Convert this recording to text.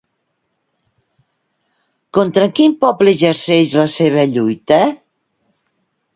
Contra quin poble exerceix la seva lluita?